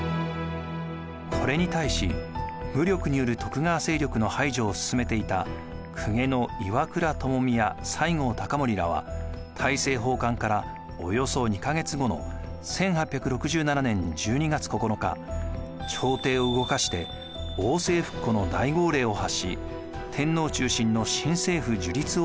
これに対し武力による徳川勢力の排除を進めていた公家の岩倉具視や西郷隆盛らは大政奉還からおよそ２か月後の１８６７年１２月９日朝廷を動かして王政復古の大号令を発し天皇中心の新政府樹立を宣言しました。